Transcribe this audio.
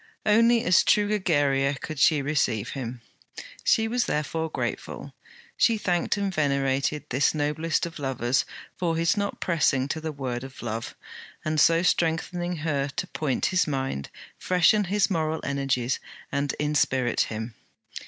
Only as true Egeria could she receive him. She was therefore grateful, she thanked and venerated this noblest of lovers for his not pressing to the word of love, and so strengthening her to point his mind, freshen his moral energies and inspirit him.